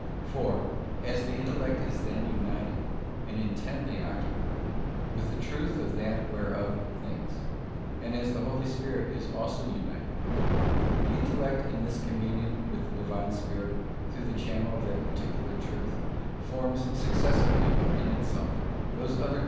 For as the intellect is then united, and intently occupied, with the truth of that whereof it thinks, and as the Holy Spirit is also united with it; the intellect in this communion with the Divine Spirit, through the channel of that particular truth, forms successively within itself those other truths which CHAP.